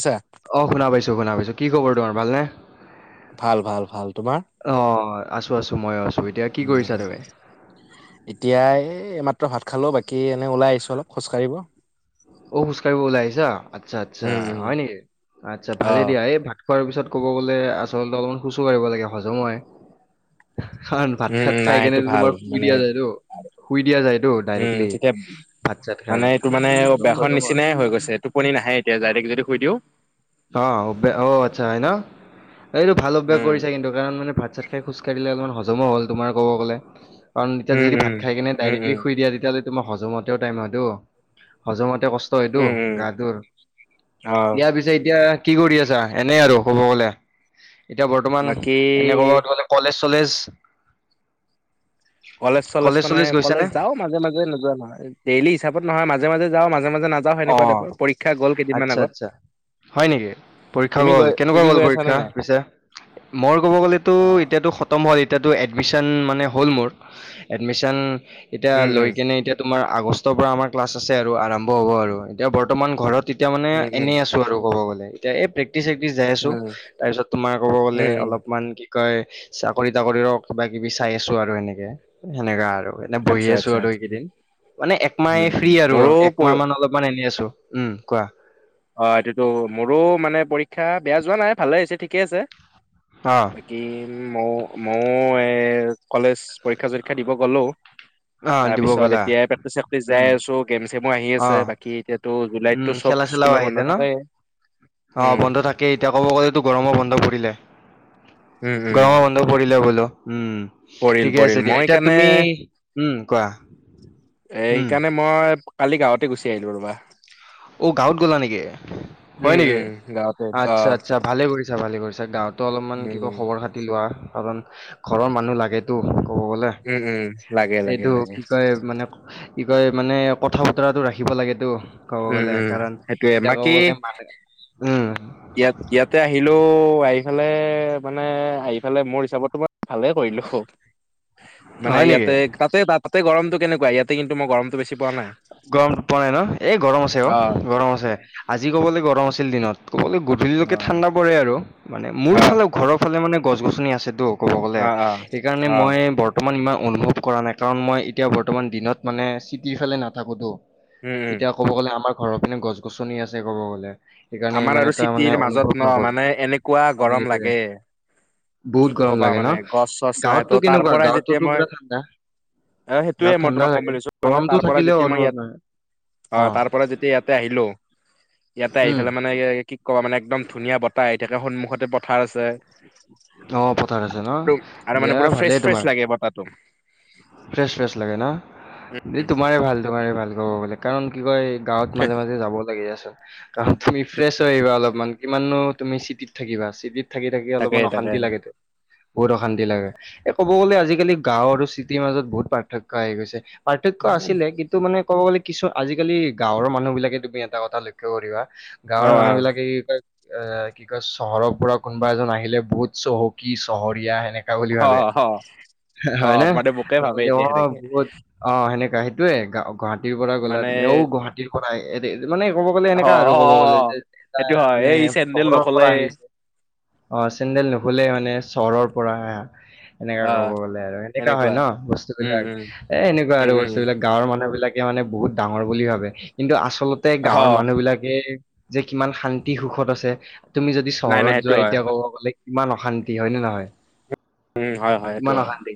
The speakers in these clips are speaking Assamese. আছা অ শুনা পাইছো শুনা পাইছো কি খবৰ তোমাৰ ভালনে? ভাল ভাল ভাল তোমাৰ অ আছো আছো মই আছো। এতিয়া কি কৰিছা তুমি? উম এতিয়াই এই মাত্ৰ ভাত খালো বাকী এনে ওলাই আহছো অলপ খোজকাঢ়িব। অ খোজ কাঢ়িব ওলাই আহিছা? আচ্ছা আচ্ছা উম উম হয় নেকি আচ্ছা অ ভালে দিয়া এই ভ খোৱাৰ পিছত ক'ব গলে আচলতে অলপমান খোজো কাঢ়িব লাগে হজম হয়। কাৰণ ভাত উম খাত উম খাই নাই কেনে সেইটো ভাল তোমাৰ শুই মানে দিয়া যায়তো শুই দিয়া যায়তো উম ডাইৰেক্টলি ভাত চাত খাই। বেখন চজম হয় নিচিনাই হৈ গৈছে টোপনি নাহে এতিয়া দাৰেক যদি শুই দিও। অ অ আচ্ছা হয় ন এইটো ভাল অভ্যাস উম কৰিছা কিন্তু। কাৰণ মানে ভাত চাত খাই খোজ কাঢ়িলে অলপমান হজম হ'ল তোমাৰ ক'ব গ'লে। কাৰণ তেতিয়া উম যদি উম ভাত খাই কিনে উম ডাইৰেক্টলি উম শুই দিয়া। তেতিয়াহ'লে তোমাৰ হজমতেও টাইম হয়তো হজমতে কষ্ট হয়তটো উম উম গা ধৰ অ দিয়া পিছে এতিয়া কি কৰি আছা এনেই আৰু কব গলে এতিয়া বৰ্তমান বাকী এনে কব গলে কলেজ চলেজ কলেজ চলেজ মানে কলেজ যাও মাজে মাজে নোযোৱা নহয় ডেইলি হিচাপত নহয় মাজে মাজে যাও মাজে মাজে মাজে নাজাও অ হেনেকুৱা টাইপ আৰু পৰীক্ষা গ'ল কেইদিনমান আচ্ছা আগত আচ্ছা হয় নেকি পৰীক্ষা তুমি গ'ল গৈ কেনেকুৱা তুমি গ'ল গৈ আছানে পৰীক্ষা নাই পিছে মই ক'ব গ'লেতো অ এতিয়াতো খতম হ'ল এতিয়াতো এডমিশন মানে হ'ল মোৰ এডমিশন এতিয়া উম লৈ উম কেনে এতিয়া তোমাৰ আগষ্ট পৰা আমাৰ ক্লাছ আছে আৰু আৰম্ভ হ'ব আৰু এতিয়া বৰ্তমান ঘৰত তেতিয়া মানে উম উম এনেই আছো আৰু ক'ব গ'লে এতিয়া এই প্ৰেক্টিচ চেক্টিচ যাই উম, আছো তাৰপিছত তোমাৰ ক'ব উম, গ'লে উম, অলপমান কি কয় চাকৰি তাকৰিৰ কিবা কিবি চাই আছো আৰু সেনেকে সেনেকা আৰু এনে বহি আচ্ছা, আছো আচ্ছা, আৰু আচ্ছা, এইকেইদিন মানে একমাহ উম, ফ্ৰী আৰু মোৰো একমাহ পৰ- মান অলপ এনেই আছোঁ উম কোৱা অ এইটোতো মোৰো মানে পৰীক্ষা বেয়া যোৱা নাই ভালে হৈছে ঠিকেই আছে অ বাকী মইও, মইও এ কলেজ পৰীক্ষা চৰীক্ষা দিব গলোঁ, অ দিব তাৰপিছত গ'লা এতিয়া প্ৰেক্টিচ চেক্টিচ উম যাই আছো, গেম চেমো আহি অ আছে, বাকী এতিয়াতো উম জুলাইততো চব খেলা চেলাও স্কুলৰ আহিলে বন্ধ ন থাকে। অ বন্ধ থাকেই। এতিয়া ক'ব গ'লেতো গৰমৰ বন্ধ পৰিলে। উম, গৰমৰ উম, বন্ধ পৰিলে বোলোঁ, উম। পৰিল ঠিকে আছে পৰিল, দিয়া মই এতিয়া সেইকাৰণে, তুমি উম কোৱা এ উম সেইকাৰণে মই কালি গাঁৱতে গুচি আহিলো ৰবা। অ গাঁৱত গলা নেকি? হয় উম, নেকি? উম, গাঁৱতে অ, আচ্ছা আচ্ছা, ভালে কৰিছাঁ। ছা, ভালে কৰিছা। গাঁৱতো অলপমান কি কয় উম, খবৰ খাতি লোৱা, কাৰণ ঘৰৰ মানুহ লাগেতো। ক'ব বলে উম, উম, লাগে লাগে এইটো লাগে কি কয় মানে কি কয় মানে কথা বতৰাটো ৰাখিব লাগেতো ক'ব উম গ'লে উম কাৰণ সেইটোয়ে এতিয়া বাকী ক'ব গলে মাত উম ইয়াত ইয়াতে আহিলোও আহিফালে মানে আহিফালে মোৰ হিচাপতো ভালে কৰিলো মানে হয় নেকি ইয়াতে তাতে তাতে গৰমটো কেনেকোৱা ইয়াতে কিন্তু গৰমটো বেছি পোৱা নাই গৰম পোৱা নাই ন এ গৰম আছে অ গৰম আছে আজি ক'বলৈ গৰম আছিল দিনত কবলৈ গো অ গধূলিলৈকে ঠাণ্ডা পৰে আৰু মানে মোৰ অ ফালে ঘৰৰ ফালে মানে গছনি আছেটো ক'ব গ'লে অ অ সেইকাৰণে অ মই বৰ্তমান ইমান অনুভৱ কৰা নাই কাৰণ মই এতিয়া বৰ্তমান দিনত মানে চিটিফালে নাথাকোতো উম উম এতিয়া ক'ব গ'লে আমাৰ ঘৰৰ পিনে গছ গছনি আছে ক'ব গ'লে সেইকাৰণে আমাৰ ইমান আৰু এটা চিটিৰ মানে মাজত অনুভৱ ন নকৰো মানে এনেকুৱা মানে গৰম লাগে এইটোৱে কি বহুত গৰম কবা লাগে ন মানে গছ চছ নাই গাঁৱতটো ত' তাৰ কেনেকুৱা পৰাই যেতিয়া গাঁৱতটোতো মই পুৰা ঠাণ্ডা অ সেইটোয়ে গাওঁত মই তোমাক ঠাণ্ডা ক'ম বুলি লাগে ভাবিছো মানে তাৰ গৰমটো পৰা যেতিয়া থাকিলেও মই অনুভৱ ইয়াত নহয় অ তাৰ পৰা যেতিয়া ইয়াতে আহিলো ইয়াতে অ' আহি উম। পেলাই মানে কি কম মানে একদম ধুনীয়া বতাহ আহি থাকে সন্মুখতে পথাৰ আছে অ পথাৰ আছে আৰু আৰু ন দিয়া মানে পুৰা ফ্ৰেছ ভালেই ফ্ৰেছ তোমাৰ লাগে বতাহটো। ফ্ৰেছ ফ্ৰেছ লাগে ন দে তোমাৰে ভাল তোমাৰে ভাল ক'ব গ'লে কাৰণ কি কয় গাঁৱত মাজে মাজে যাব লাগে কাৰণ তুমি ফ্ৰেছ হৈ আহিবা অলপমান কিমাননো তুমি চিটিত থাকিবা চিটিত থাকি থাকি তাকে অলপমান তাকে অশান্তি লাগে টো বহুত অশান্তি লাগে এ ক'ব গ'লে আজিকালি গাঁও আৰু চিটিৰ মাজত বহুত পাৰ্থক্য আহি গৈছে পাৰ্থক্য আছিলে কিন্তু মানে ক'ব গ'লে কিছু আজিকালি গাঁৱৰ মানুহ বিলাকে তুমি এটা কথা লক্ষ্য কৰিবা অ গাঁৱৰ মানুহ বিলাকে কি কয় এ কি কয় চহৰৰ পৰা কোনোবা এজন আহিলে বহুত চহকী চহৰীয়া সেনেক বুলি অ ভাবে। অ অ হয় নে, মানে মোকে অ ভাবে এতিয়া সেনেকে বহুত অ সেনেকা সেইটোৱে গা গুৱাহাটীৰ পৰা গ'লা মানে তুমি ঔ গুৱাহাটীৰ পৰা আ মানে ক'ব গ'লে অ এনেকা আৰু অ ক'ব অ গ'লে অ যে এটা সেইটো হয় মানে এই চেন্দেল চহৰৰ নকলে পৰা আহিছে। অ চেণ্ডেল নো খোলে মানে চহৰৰ পৰা আহা এনেকা অ ক'ব গলে আৰু এনেকা হয় এনেকুৱা ন উম বস্তুবিলাক। উম এ এনেকুৱা উম আৰু উম বস্তু বিলাক গাঁৱৰ মানুহ বিলাক। মানে বহুত ডাঙৰ বুলি ভাবে কিন্তু আচলতে অ গাঁৱৰ মানুহ বিলাকে যে কিমান শান্তি সুখত আছে তুমি যদি নাই নাই চহৰত সেইটো যোৱা হয় এতিয়া ক'ব গ'লে ইমান অশান্তি হয়নে নহয়। উম হয় হয় এইটো কিমান হয় অশান্তি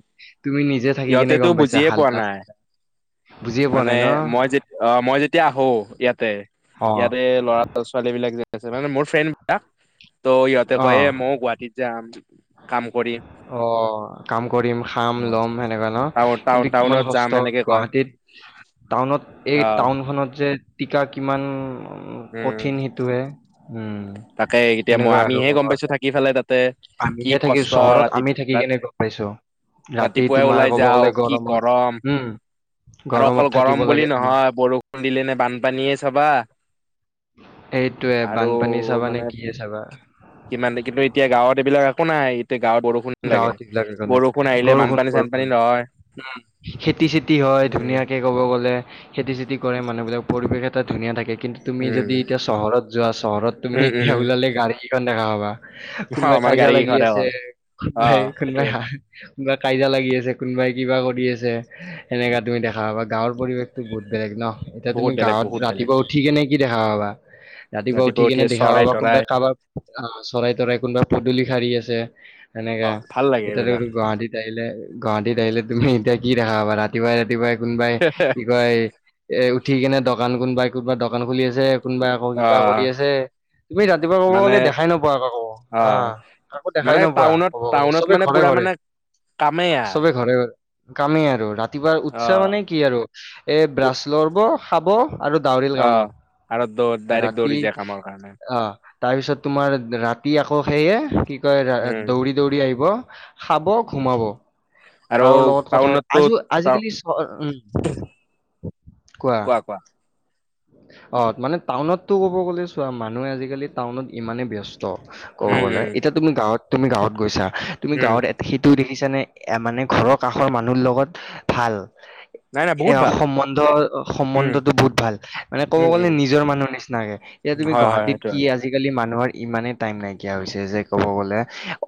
তুমি নিজে থাকি কেনে ইহঁতেটো গম পাইছা বুজিয়ে পোৱা হাল্লা নাই। বুজিয়ে পোৱা মানে নাই ন? মই যে অ মই যেতিয়া আহো ইয়াতে অ'। ইয়াতে ল'ৰা ছোৱালী বিলাক যে আছে মানে মোৰ ফ্ৰেণ্ড বিলাক ত সিহঁতে কয় এ অ', মও গুৱাহাটীত যাম। কাম কৰিম। অ কাম কৰিম খাম লম সেনে কা ন টাউন টাউন কিন্তু কিমান টাউনত যাম কষ্ট সেনেকে কয় গুৱাহাটীত টাউনত এই অ' টাউনখনত যে টীকা কিমান উম কঠিন সেইটোহে। উম, তাকে এতিয়া মই সেনেকুৱা আৰু আমিহে ক'ব গম পাইছোঁ গ'লে। থাকি পেলাই তাতে। কি আমিহে থাকি কষ্ট চহৰত আমি ৰাতিপু থাকি তাত কেনে গম পাইছো। ৰাতি ৰাতিপুৱাই তোমাৰ ওলাই ক'ব গ'লে যাওঁক কি গৰমত গৰম। উম, আৰু অকল গৰমত গৰম থাকিব বুলি লাগে তোমাৰ। নহয় বৰষুণ দিলে নে বানপানীয়ে চাবা সেইটোয়ে আৰু বানপানী চাব মানে কিমান কিন্তু এতিয়া গাঁৱত এইবিলাক একো নাই। এতিয়া গাঁৱত বৰষুণ লাগে গাঁৱত এইবিলাক একো বৰষুণ নাই আহিলে বৰষুণ বানপানী চানপানী বৰষুণ। নহয় উম খেতি চেতি হয় উম ধুনীয়াকে ক'ব গ'লে খেতি চেতি কৰে মানুহ বিলাকে পৰিৱেশ তাত ধুনীয়া থাকে। কিন্তু তুমি উম যদি এতিয়া চহৰত যোৱা চহৰত তুমি উম উম এতিয়া ওলালে গাড়ীকেখন দেখা পাবা। কোনোবাই অ' মানে কাজিয়া গাড়ী লাগি কেইখনতে আছে অ' কোনোবাই অ' কোনোবাই সেইটোৱে হাহি কোনোবা কাজিয়া লাগি আছে কোনোবাই কিবা কৰি আছে সেনেকা তুমি দেখা পাবা গাঁৱৰ পৰিৱেশতো বহুত বেলেগ নহ। এতিয়া বহুত তুমি বেলেগ গাঁৱত বহুত বেলেগ ৰাতিপুৱা উঠি কিনে কি দেখা পাবা। ৰাতিপুৱা উঠি কিনে দেখা পাবা কোনোবাই কাবাৰ আ চৰাই তৰাই কোনোবা পদূলি শাৰী আছে সেনেকা অ' ভাল লাগে এতিয়াটো এইবিলাক আৰু গুৱাহাটীত আহিলে গুৱাহাটীত আহিলে তুমি এতিয়া কি দেখা পাবা ৰাতিপুৱাই ৰাতিপুৱাই কোনোবাই কি কয় এ উঠি কেনে দোকান কোনোবাই কোনোবাই দোকান খুলি আছে। কোনোবা আকৌ কিবা কৰি অ' আছে। তুমি ৰাতিপুৱা ক'ব মানে গ'লে দেখাই নোপোৱা কাকো অ' আহ কাকো দেখাই মানে নোপোৱা। টাউনত ক'ব গ'লে, টাউনত সবে মানে ঘৰে পুৰা ঘৰে মানে কামেই আৰ সবে ঘৰে ঘৰে। কামেই আৰু ৰাতিপুৱাৰ উৎসাহ অ' মানে কি আৰু এ ব্ৰাছ ল'ব খাব আৰু দাউৰিল অ' কামত, আৰু দৌ ডাইৰেক্ট ৰাতি দৌৰি যায় কামৰ কাৰণে অহ তাৰপিছত তোমাৰ ৰাতি আকৌ সেয়ে কি কয় উম দৌৰি দৌৰি আহিব। খাব ঘুমাব। আৰু কাৰো লগত কথা প টাউনতো আজি আজিকালি চ উম কোৱা কোৱা। অ মানে টাউনতটো ক'ব গ'লে চোৱা মানুহে আজিকালি টাউনত ইমানে ব্যস্ত ত ক'ব উম গলে উম এতিয়া তুমি গাঁৱত তুমি গাঁৱত গৈছা তুমি উম গাঁৱত এ সেইটো দেখিছানে মানে ঘৰৰ কাষৰ মানুহ লগত ভাল। নাই নাই এ বহুত ভাল সম্বন্ধ উম সম্বন্ধটো বহুত ভাল। মানে ক'ব উম গ'লে উম নিজৰ মানুহ নিচিনাকে এতিয়া তুমি হয় হয় গুৱাহাটীত কি সেইটোৱে আজিকালি মানুহৰ ইমানেই টাইম নাইকিয়া হৈছে যে ক'ব গ'লে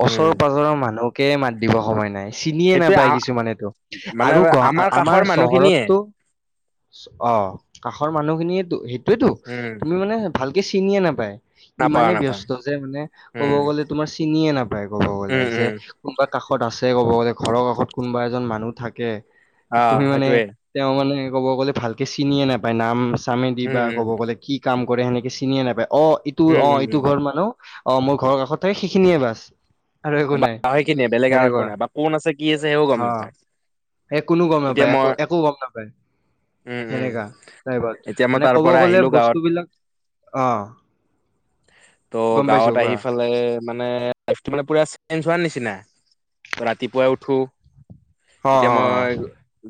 ওচৰ উম পাজৰৰ মানুহ। কে মাত দিব সময় নাই। চিনিয়ে সেইটোৱে নাপায় কিছুমানেটো মানে আৰু গু আমাৰ কাষৰ মানুহখিনিয়ে চহৰতটো। অ কাষৰ মানুহখিনিয়েটো সেইটোয়েতো উম তুমি মানে। ভালকে চিনিয়ে নেপায় নাপাওঁ ইমানে নাপাওঁ ব্যস্ত যে মানে ক'ব উম গ'লে তোমাৰ চিনিয়ে নাপ ক'ব গ'লে উম যে উম কোনোবা কাষত আছে ক'ব গ'লে ঘৰৰ কাষত কোনোবা এজন মানুহ থাকে। অ' তুমি মানে সেইটোৱে তেওঁ মানে ক'ব গ'লে ভালকে চিনিয়ে নেপায় নাম চামেদি উম বা উম ক'ব ক'লে কি কাম কৰে সেনেকে চিনিয়ে নাপায় অ ইটো উম অ উম ইটো ঘৰ মানুহ। অ মোৰ ঘৰৰ কাষতে সিখিনিয়ে বছ। বা সেইখিনিয়ে বেলেগ আৰু একো নাই বা কোন আছে কি আছে একো গম নেপায়। এই কোনো গম নাপায় একো একো গম নাপায়। উম উম সেনেকা ডাইভাৰ্ত। এতিয়া মই মানে তাৰ ক'ব পৰা গ'লে আহিলো গাঁৱত বস্তুবিলাক অহ। ত' গাঁৱত আহি ফালে মানে লাইফটো মানে পুৰা চেঞ্জ হোৱা নিচিনা। ৰাতিপুৱাই উঠো। অ এতিয়া অ মই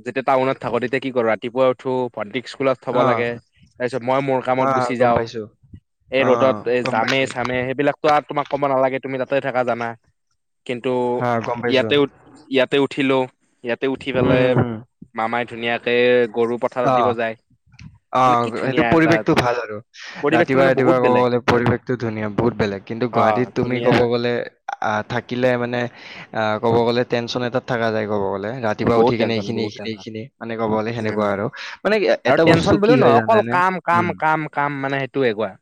যেতিয়া টাউনত থাকো। তেতিয়া কি কৰোঁ ৰাতিপুৱাই উঠো ভণ্টিক স্কুলত থ'ব অ অ লাগে। তাৰপিছত মই মোৰ কামত হা গুচি গম যাওঁ। পাইছো এই অ ৰ'দত এই গম জামে পাইছো চামে সেইবিলাক ত আৰু তোমাক ক'ব নালাগে, তুমি তাতে থাকা জানা। কিন্তু হা গম পাইছো ইয়াতে ইয়াতে উঠিলো। ইয়াতে উঠি উম পেলাই হুম হুম মামাই ধুনীয়াকে গৰু পথাৰত অ দিব যায়। অ মানে কি সেইটো ধুনীয়া এটা পৰিৱেশটো ভাল আৰু পৰিৱেশটো ৰাতিপুৱাই মানে বহুত ৰাতিপুৱাই ক'ব বেলেগ গ'লে। পৰিৱেশটো ধুনীয়া বহুত বেলেগ কিন্তু অ গুৱাহাটীত তুমি ধুনীয়া ক'ব গ'লে আহ থাকিলে মানে আ ক'ব গ'লে টেনচন এটাত থাকা যায় ক'ব গ'লে। ৰাতিপুৱা বহুত উঠি কিনে টেনচন এইখিনি বহুত এইখিনি টেনচন এইখিনি মানে ক'ব গ'লে উম সেনেকুৱা আৰু। মানে আৰু এটা বস্তু টেনচন কি বুলিও হয় নহয়। অকল জানানে কাম উম কাম কাম কাম মানে সেইটোৱে, কোৱা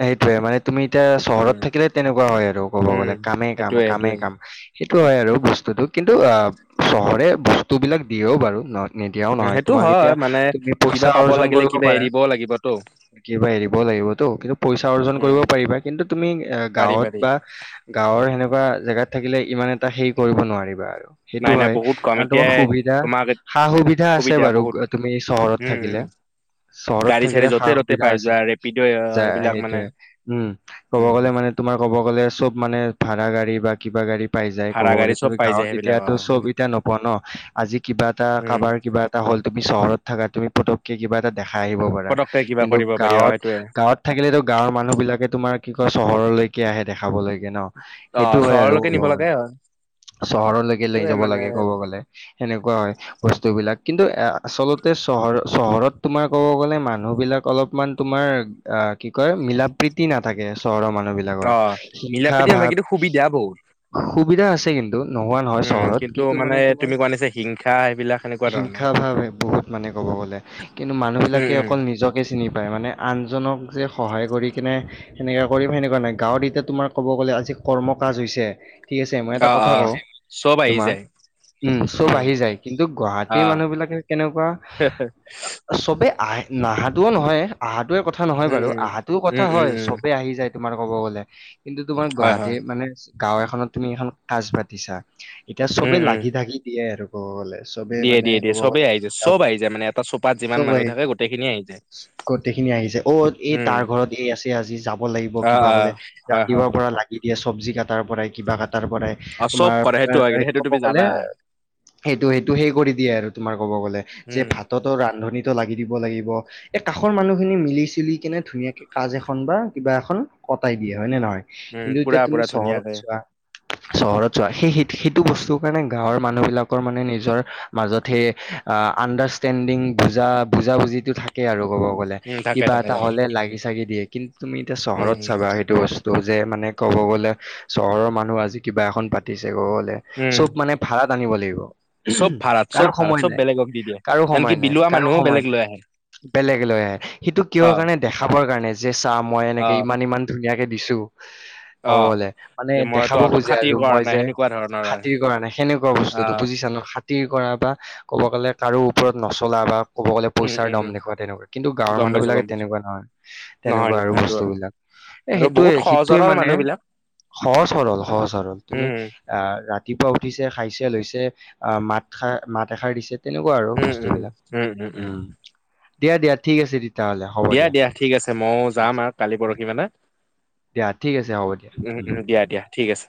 সেইটোয়ে মানে তুমি এতিয়া চহৰত উম থাকিলে তেনেকুৱা হয় আৰু ক'ব উম গ'লে কামে কাম সেইটোয়ে কামে সেইটোয়ে কাম। সেই সেইটো হয় আৰু বস্তুটো কিন্তু অ চহৰে বস্তুবিলাক দিয়েও বাৰু ন নিদিয়াও উম নহয় সেইটো তোমাক হয় এতিয়া মানে তুমি কিবা পইচা পাব অৰ্জন লাগিলে কৰিব কিবা পাৰা। এৰিবও লাগিবতো কিবা হেৰী লাগিব তো কিন্তু পইচা অৰ্জন উম কৰিব পাৰিবা কিন্তু তুমি পাৰি গাঁৱত পাৰি বা গাঁৱত আৰু সেনেকুৱা জেগাত থাকিলে ইমান এটা সেই কৰিব নোৱাৰিবা আৰু। সেইটো নাই নাই হয় বহুত কম কাৰণ তোমাৰ এতিয়াই সুবিধা তোমাক সা সুবিধা আছে বাৰু তুমি চহৰত উম থাকিলে। উম চহৰত গাড়ী চাড়ী থাকিলে সা য'তে ত'তে সুবিধা পাই আছে। যোৱা ৰেপিড' যা সেইবিলাক মানে সেইটোয়ে, উম ক'ব উম গ'লে মানে তোমাৰ ক'ব গ'লে চব মানে ভাড়া গাড়ী বা কিবা গাড়ীত পাই যায় ক'ব ভাড়া গাড়ী গ'লে চব তুমি পাই যায় গাঁৱত সেইবিলাক অ এতিয়াতো চব এতিয়া নোপোৱা ন। আজি কিবা এটা উম কাবাৰ কিবা এটা হ তুমি চহৰত থাকা তুমি পতককে কিবা এটা দেখাই আহিব পাৰা পতককে কিবা কিন্তু কৰিব পাৰি অ গাঁৱত। সেইটোয়ে গাঁৱত থাকিলেতো গাঁৱৰ মানুহ বিলাকে তোমাৰ কি কয় চহৰলৈকে আহে দেখাবলৈকে ন। অ সেইটো হয় আৰু চহৰলৈকে ক'ব নিব লাগে গ'লে হয় চহৰলৈকে লৈ সেইটোয়ে যাব মানে লাগে ক'ব গ'লে। সেনেকুৱা হয় বস্তুবিলাক কিন্তু আচলতে চহৰ চহৰত তোমাৰ ক'ব গ'লে মানুহবিলাক অলপমান তোমাৰ অ কি কয় মিলা প্ৰীতি নাথাকে। চহৰৰ মানুহ মানুহ বিলাকৰ অ মিলা হিংসা প্ৰীতি ভাৱ। নাথাকিতো সুবিধা বহুত সুবিধা আছে কিন্তু নোহোৱা নহয় উম চহৰত কিন্তু মানে তোমাৰ, তুমি কোৱা নিচিনা হিংসা এইবিলাক সেনেকুৱা হিংসা ধৰণৰ ভাৱ বহুত মানে ক'ব গ'লে কিন্তু উম মানুহবিলাকে উম অকল নিজকে চিনি পায়। মানে আনজনক যে সহায় কৰি কিনে সেনেকা কৰিম সেনেকুৱা নাই। গাঁৱত এতিয়া তোমাৰ ক'ব গ'লে আজি কৰ্ম কাজ হৈছে। ঠিক আছে মই এটা অ অ কথা কওঁ। চব আহি তোমাক যায়। উম চব আহি যায় কিন্তু অ গুৱাহাটীৰ মানুহ বিলাকে কেনেকুৱা? চবে আহে। নাহাতোও নহয় আহাটোয়ে কথা নহয় উম বাৰু। উম আহাটো কথা উম উম হয়, উম চবে আহি যায়। তোমাৰ ক'ব গ'লে। কিন্তু তুমাৰ হয় হয় গুৱাহাটীৰ মানে গাও এখনত তুমি এখন কাজ পাতিছা। এতিয়া উম চবে উম লাগি ধাগি দিয়ে আৰু ক'ব গলে। চবে দিয়ে মানে দিয়ে দিয়ে ক'ব সবেই গ'লে আহি যায় সব আহি যায় মানে এটা চোপাত যিমান চব মানুহ আহি থাকে গোটেইখিনিয়ে আহি যায়। গোটেইখিনি আহিছে অ এই উম তাৰ ঘৰত এই আছে আজি যাব লাগিব অ কিবা অ কলে হয় হয় ৰাতিপুৱাৰ পৰা লাগি দিয়ে। চব্জি কাটাৰ পৰাই কিবা কাটাৰ পৰাই। অ চব তোমাৰ কৰে সেইটো হয় কিন্তু সেইটো ক'ব তুমি গ'লে জানা সেইটো সেইটো সেই কৰি দিয়ে আৰু তোমাৰ ক'ব গ'লে যে উম ভাততো ৰান্ধনী টো লাগি দিব লাগিব। এই কাষৰ মানুহখিনি মিলি চুলি কেনে ধুনীয়াকে কাজ এখন বা কিবা এখন কটাই দিয়ে হয় নে নহয়। উম কিন্তু এতিয়া পুৰা তুমি পুৰা চহৰত ধুনীয়াকে চোৱা চহৰত চোৱা সেই স সেইটো বস্তু কাৰণে গাঁৱৰ মানুহ বিলাকৰ মানে নিজৰ মাজত সে। আণ্ডাৰষ্টেণ্ডিং বুজা বুজ বুজিটো থাকে তাকে আৰু ক'ব গ'লে উম থাকে কিবা থাকে এটা থাকে হ'লে লাগি চাগি দিয়ে কিন্তু তুমি এতিয়া উম চহৰত উম চাবা সেইটো বস্তু যে মানে ক'ব গ'লে চহৰৰ মানুহ আজি কিবা এখন পাতিছে ক'ব গলে উম চব মানে ভাত আনিব লাগিব চব ভাড়াত চব কাৰো ভাড়াত সময় চব নাই বেলেগক দি দিয়ে কাৰো আনকি সময় নাই বিলোৱা কাৰো মানুহো সময় বেলেগ নাই লৈ আহে বেলেগ লৈ আহে সেইটো কিয় অ কাৰণে দেখাবৰ কাৰণে যে চা মই অ এনেকে ইমান ইমান। ধুনীয়াকে দিছো [inaudible] অলে মানে যে মই দেখাব তহঁতক খোজে খাতি আৰু কৰা মই নাই যে সেনেকুৱা ধৰণৰ আৰু খাতিৰ কৰা নাই সেনেকুৱা বস্তুতটো আহ বুজিছানো খ কৰা বা ক'ব গ'লে কাৰো ওপৰত নচলা বা ক'ব গ'লে উম পইচাৰ উম দম উম দেখ তেনেকুৱা কিন্তু গাঁৱৰ গম মানুহ পাইছো বিলাকে গম পাইছো তেনেকুৱা নহয় নহয় তেনেকুৱা নহয় আৰু সেইটো বস্তু হয় বিলাক এ আৰু সেইটোয়ে বহুত সহজ সেইটোৱে সৰল মানে। মানুহ বিলাক সহজ সৰল সহজ সৰল তুমি উম আহ ৰাতিপুৱা উঠিছে খাইছে লৈ মাতাৰ মাত এষাৰ দিছে তেনেকুৱা আৰু বস্তু বিলাক উম দিয়া দিয়া ঠিক আছে তেতিয়াহ'লে হ'ব দিয়া দিয়া ঠিক আছে ময়ো ঠিক যাম আছে আৰু কালি পৰহি মানে দিয়া ঠিক আছে হ'ব দিয়া। উম উম দিয়া দিয়া ঠিক আছে